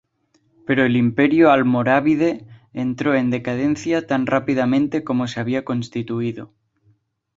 Pero el imperio almorávide entró en decadencia tan rápidamente como se había constituido.